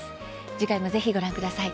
次回も、ぜひご覧ください。